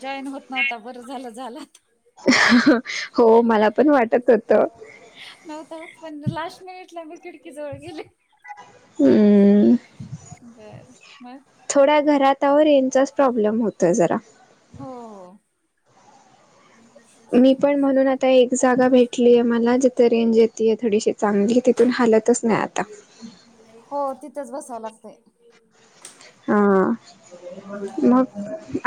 Join होत नव्हता बरं झालं, झालात हो, मला पण वाटत होतं नव्हताच पण लाष्ट मिनिटला मी खिडकी जवळ गेले. हम्म बरं, मग? थोड्या घरात आहो रेनचाच प्रॉब्लेम होतोय जरा हो. [unintelligible] मी पण म्हणून आता एक जागा भेटलीये मला जिथं रेंज येतीये थोडीशी. चांगली तिथून हालतच नाई आता. हो, तिथंच बसावं लागतंय. हा, मग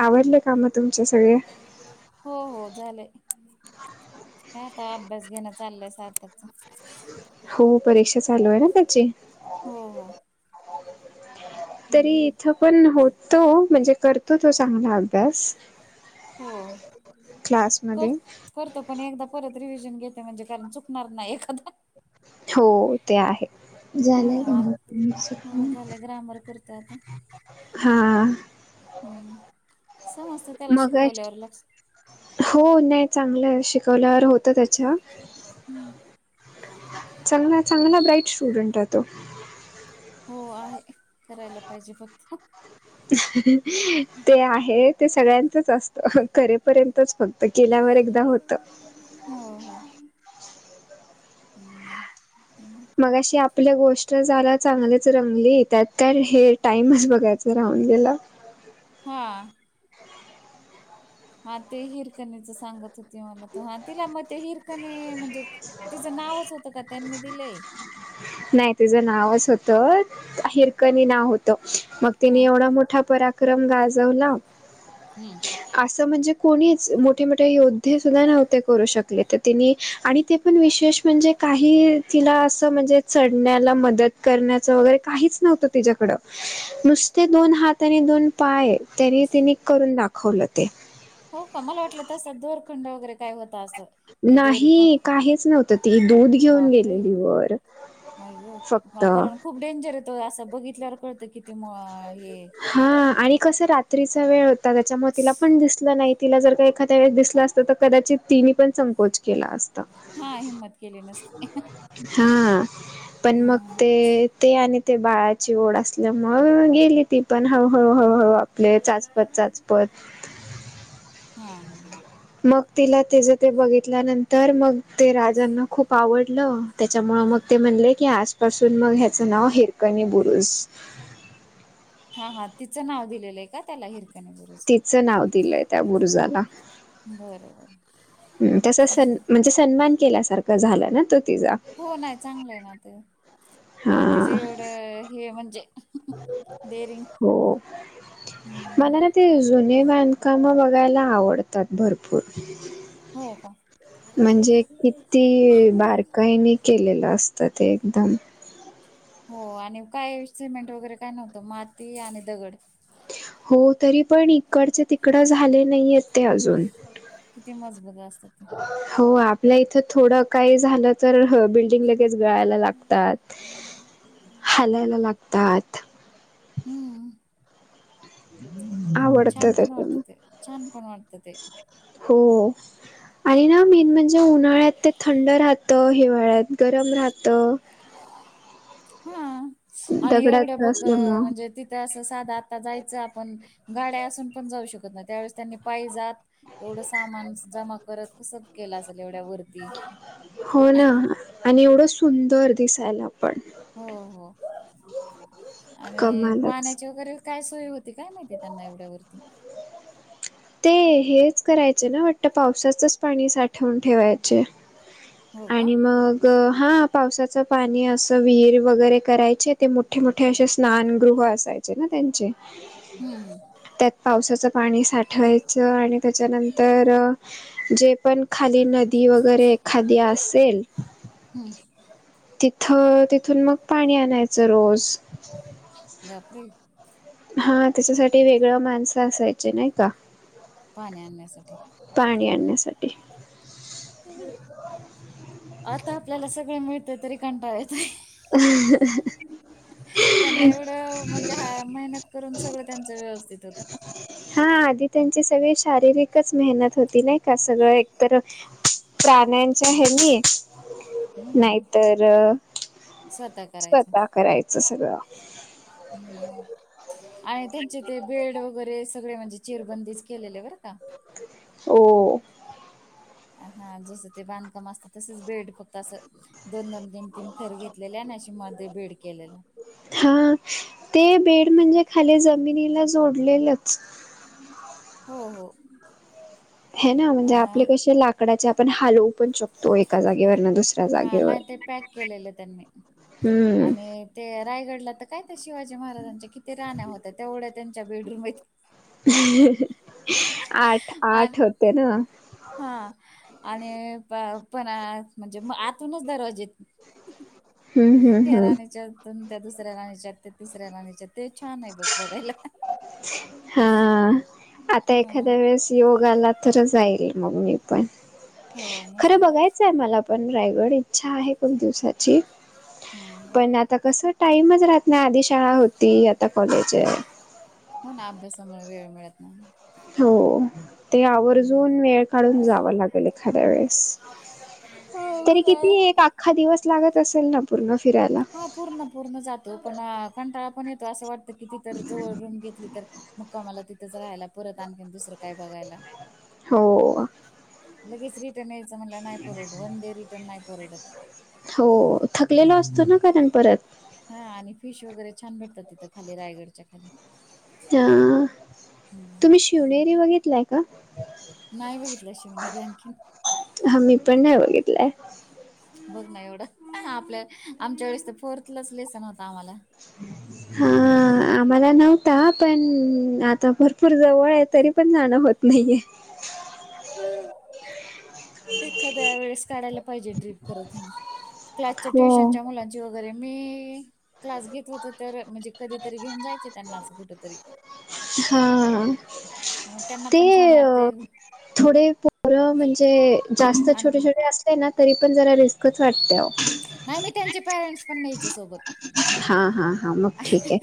आवडले कामं तुमचे सगळे? [inaudible] हो हो झालंय, काय आता अभ्यास घेणं चाललंय सार्थकचा. हो, परीक्षा चालू आहे ए ना त्याची? हो हो. तरी इथं पण होतो, म्हणजे करतो तो चांगला अभ्यास हो, कर क्लासमध्ये करतो पण एकदा परत रिव्हिजन घेते म्हणजे कारण चुकणार नाई एखादा हो, ते आहे. झालंय का हा मम्मी [unintelligible] तुमचं हो काम? झालं ग्रामर करतोय आता. हां. हम्म, समजतं त्याला मग शिकवल्यावर लक्ष हो नाई चांगलं ए. शिकवल्यावर होतं त्याच्या हम्म. चांगला चांगला ब्राईट स्टुडंट ए तो! हो आहे, करायला पाहिजे फक्त. ते आहे, ते सगळ्यांचच असतं करे -पर्यंतच फक्त, केल्यावर एकदा होतं. हो हो. मगाशी आपल्या गोष्ट जरा चांगलीच रंगली त्यात काय हे टाईमच बघायचं राहून गेला. हा. हा ते हिरकणीचं सांगत होते मला, तर हा तिला मग ते हिरकणे म्हणजे तिचं नावच होतं का, त्यांनी दिलंय? नाई तिचं नावच होतं. हिरकनी नाव हो -तं मग तिने हम्म एवढा मोठा पराक्रम गाजवला हम्म. आसं म्हणजे कोणीच मोठे मोठे योद्धे सुद्धा नव्हते करू शकले तर तिनी आणि ते पण विशेष म्हणजे काही तिला असं म्हणजे, चढण्याला मदत करण्याचं वगैरे काहीच नव्हतं तिच्याकडं नुसते दोन हात आणि दोन पाय, तरी तिने करून दाखवलं ते हो का? माला वाटलं तसा धोरखंड वगैरे काय व्हता असं. ते दोरी खाली नाही काहीच नव्हतं, ती दूध घेऊन बापरे गेलेली वर आई ग फक्त हा कारण खूप डेंजर आहे तो असं बघितल्यावर कळतं किती मवा हा आणि कस रात्रीचा वेळ होता त्याच्यामुळे तिला पण दिसलं नाही तिला जर का एखाद्या वेळेस दिसलं असतं तर कदाचित तिनी पण संकोच केला असता हा हिंमत केली नसती हा पण मग हम्म ते ते आणि ते बाळाची ओढ असल्या मुळं गेली ती पण हळूळू हळूहळू आपले चाचपत चाचपत हा हा मग तिला तिचं ते बघितल्यानंतर मग ते राजांना खूप आवडलं त्याच्यामुळं मग ते म्हणले की आज पासून मग ह्याचं नाव हिरकणी बुरुस हा हा तिचं नाव दिलेलं आहे का त्याला हिर तिचं नाव दिलंय त्या बुरुजाला बरं बरं ह तसा सन म्हणजे सन्मान केल्यासारखा झाला ना तो तिचा हो ना आहे चांगलं आहे ना ते हा जे एवढं हे म्हणजे डेअरिंग हो हम्म मला ना मला जुने बांधकाम बघायला आवडतात भरपूर हो का म्हणजे किती बारकाईनी केलेलं असतं ते एकदम हो आणि काय सिमेंट वगैरे काय नव्हतं माती आणि दगड हो तरी पण इकडचं ति कड झाले नाहीयेत ते अजून किती मजबूत असतात ते हो आत हो इथं थोडं काय झालं तर ह बिल्डिंग मग लगेच गळायला लागतात हालायला लागतात हम्म आणि आवडतं छान पण वाटतं त्याच्यामुळे ते छान पण वाटतं ते हो आणि ना मेन म्हणजे उन्हाळ्यात ते थंड राहतं हिवाळ्यात गरम राहतं हो आणि दगडाच एवढं बघ असल्यामुळं म्हणजे ति ते असं साधा आता जायचं आपण गाड्या असून पण जाऊ शकत नाही त्यावेळेस त्यांनी पायी जात एवढं सामान जमा करत कसं केलं असेल एवढ्या वरती हो ना आणि एवढं सुंदर दिसायला पण हो हो आणि कमालच. पाण्याची वगैरे काय सोय होती ते काय माहितीय त्यांना एवढ्या वरती ते हेच करायचे ना वाटतं पावसाचचं पाणी साठवून ठेवायचे हो का आणि मग हो हा पावसाचं पाणी असं विहीर वगैरे करायचे ते मोठे मोठे असे स्नानगृह असाय चे ना त्यांचे हम्म त्यात पावसाचं पाणी साठ ठेवायचं आणि त्याच्यानंतर जे पण खाली नदी वगैरे एखादी असेल हम्म तिथं ते इथून मग पाणी आणायचं रोज बापरे हा त्याच्यासाठी वेगळं माणसं असायची नाही का पाणी आणण्यासाठी. पाणी आणण्यासाठी. आता आपल्याला सगळे मिळत तरी कंटाळ येतो. त्यांना एवढं म्हणजे हा मेहनत करून सगळं त्यांच व्यवस्थित होत. हा आधी त्यांची सगळी शारीरिकच मेहनत होती नाही का सगळं एकतर प्राण्यांच्या हेनी हम्म नाहीतर स्वतः करायचं स्वतः करायचं सगळं. [unintelligible] आणि त्यांचे ते बेड वगैरे सगळे म्हणजे चिरबंदीच केलेले बरं का. हो. हा जसं ते बांधकाम असतं तसच बेड फक्त असं दोन-दोन, तीन-तीन थर घेतलेले आणि अशी मध्ये बेड केलेला. हा ते बेड म्हणजे खाली जमिनीला जोडलेलंच. हो हो. हे ना म्हणजे आपले अ कसे लाकडाचे आपण हलवू पण शकतो एका जागेवर दुसर हा नाही ते पॅक केलेले त्यांनी हम्म आणि ते रायगडला तर काय ते शिवाजी महाराजांच्या किती राण्या होत्या तेवढ्या त्यांच्या बेडरूम आहेत आठ आणि आठ होते ना. हा आणि पण म्हणजे म आतूनच दरवाजे. हम्म हम्म ह्या हम्म राणीच्यातून त्या दुसऱ्या राणीच्या त्या तिसऱ्या राणीच्या ते छान आहे बघ बघायला. हा. आता हा एखाद्या वेळेस योग आला तर जाईल मग मी पण. हो मस्त खरं आहे ते बघायचंय मला. पण रायगड इच्छा आहे खूप दिवसाची, ह पण आता कस टाइमच राह नाही आधी शाळा होती आता कॉलेज आहे. हो ना अभ्यासामुळे वेळ मिळत नाही. हो ते हम्म. आवर्जून वेळ काढून जावं लागेल एखाद्या वेळेस. हो तरी ना किती एक अख्खा दिवस लागत असेल ना पूर्ण फिरायला. हा पूर्ण पूर्ण जातो पण कंटाळा पण येतो असं वाटतं कि ति तर जवळ रूम घेतली तर मुक्काम मला तिथंच रायला परत आणखीन दुसरं काय बघायला. हो. लगेच रिटर्न यायचं म्हटलं नाही परवडत, वन डे रिटर्न नाही परवडत. हो थकलेल असतो ना कारण परत. हा आणि फिश वगैरे छान भेटतात तिथं खाली रायगडच्या खाली. तुम्ही शिवनेरी बघितलाय का? नाही बघितल्या शिवनेरी आणखी. हा मी पण नाही बघितलंय. बघ ना एवढं आपल्या आमच्या वेळेस तर फोर्थलाच लेसन होता आम्हाला. हा आम्हाला नव्हता पण आता भरपूर जवळ आहे तरी पण जाणं होत नाहीये. हम् [inaudible] एखाद्या वेळेस काढायला पाहिजे ट्रीप करत, क्लासच्या हो. ट्युशनच्या मुलां म्हण वगैरे मी क्लास घेत होत तर म्हणजे कधीतरी घेऊन जायचे त्यांनाच कुठ तरी. हा. मग त्यांना पण छान ते वाटेल. थोडे पोरं म्हणजे जास्त छोटे आणखीन छोटे अस ना तरी पण जरा रिस्कच वाटते. नाही मी त्यांचे पॅरेंन्टस पण न्यायचे सोबत. हा हा हा मग ठीक आहे.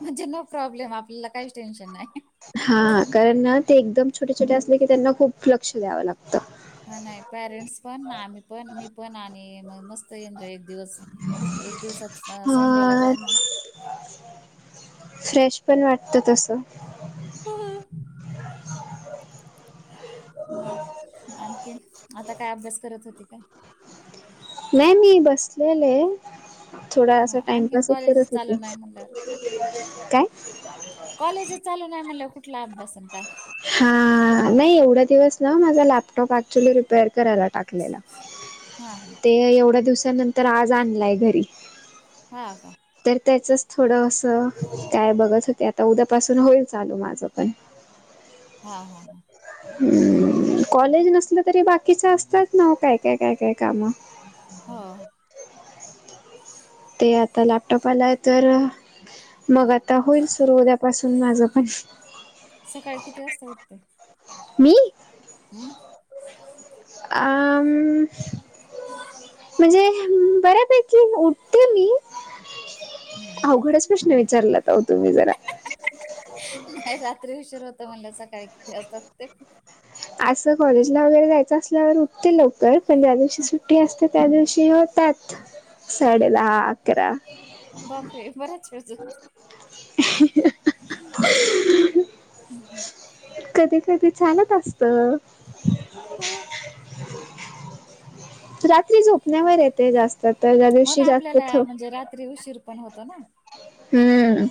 म्हणजे नो प्रॉब्लेम आपल्याला काहीच टेन्शन नाही. हा कारण ना ते एकदम छोटे- छोटे असले की त्यांना खूप लक्ष द्यावं लागतं. हा नाही पॅरेंट्स पण ना आम्ही पण मी पण आणि मस्त एन्जॉय एक दिवस एक दिवस संडेला हा जाऊ मग. फ्रेश पण वाटत तसं. मग आणखीन आता काय अभ्यास करत होते काय? नाही मी बसलेले थोडा असा हा आणखीन टाइमपासच कॉलेजच करत चालू होते, नाही म्हणल्यावर काय? कॉलेजच चालू नाही म्हटल्यावर कुठला अभ्यास आता. हा नाही एवढा दिवस ना माझा लॅपटॉप ऍक्च्युली रिपेअर करायला टाकलेला. हां ते एवढ्या दिवसानंतर आज आणलाय घरी. हा का. तर त्याचच थोडं असं काय बघत होते आता उद्यापासून होईल चालू माझं पण. हा हा हा. कॉलेज नसल तरी बाकीच असतात ना काय- काय- काय- काय काम. हो. ते आता लॅपटॉप आला आहे तर मग आता होईल सुरु उदयापासून माझं पण. सकाळी किती वाजता उठते? मी? हम् आम म्हणजे बऱ्यापैकी उठते मी. अवघडच प्रश्न विचारलात तुम्ही जरा. नाही रात्री उशीर होतो म्हणल्यावर सकाळी किती वाजता उडतोय. असं कॉलेजला वगैरे जायचं असल्यावर उठते लवकर पण ज्या दिवशी सुट्टी असते त्या दिवशी हो त्यात साडे दहा अकरा बापरे बऱ्याच वेळ झोप ह. [inaudible] कधी कधी चालत असत. रात्री झोपण्यावर आहे ते जास्त तर ज्या हो दिवशी ना जास्त आपल्याला थ म्हणजे रात्री उशीर पण होतो ना. हम्म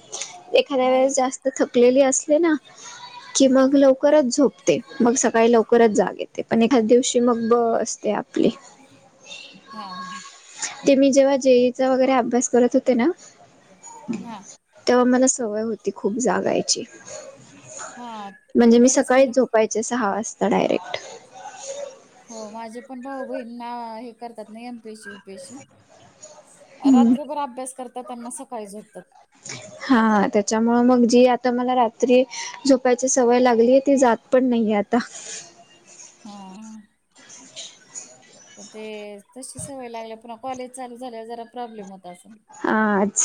एखाद्या वेळेस माझ जास्त थकलेली असले ना कि मग लव लवकरच झोपते मग सकाळी लवकरच जाग येते पण एखाद्या दिवशी मग ब असते आपली. [unintelligible] हा हा. ते मी जेव्हा जेईचा वगैरे अभ्यास करत होते ना हा तेव्हा मला सवय होती, खूप जागायची. हा म्हणजे मी बरेच मुलं सकाळीच झोपायचे, सहा वाजता डायरेक्ट. हो माझे पण भाऊ बहीणना, हे करतात ना एम पीशी, उपेशी हम्म रात्रभर अभ्यास करतात, अन म सकाळी झोपतात. [unintelligible] हां, त्याच्यामुळ मग जी आता मला, रात्री झोपायची सवय लागलीय, ती जात पण नही ये, आ ता. हां. प ते, तशी सवय लागल्याव, पुन कॉलेज चालू झाल्याव, जरा प्रॉब्लेम होत असल? आ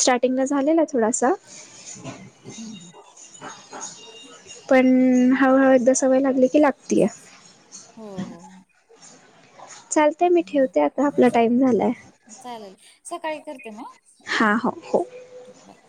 स्टार्टिंगला झालेला, थोडासा पण हळूहळू एकदा सवय लागली की, लागतीयां हो हो हो चालतय, मी ठेवते आता, आपला टाइम झालाय. चालल, सकाळी करते मं. हा हो हो. [unintelligible]